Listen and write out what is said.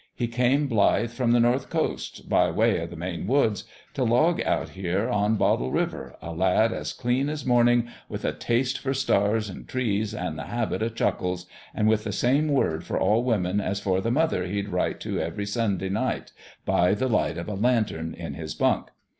He come blithe from the north coast, by way o' the Maine woods, t' log out here on Bottle River, a lad as clean as morning, with a taste for stars an' trees an' the habit o' chuckles, an' with the same word for all women as for the mother he'd write to every Sunday GINGERBREAD 185 night, by the light of a lantern in his bunk.